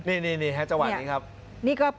นี่แฮทจัวร์นี้ครับ